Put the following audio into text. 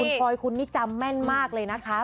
คุณพลอยคุณนี่จำแม่นมากเลยนะคะ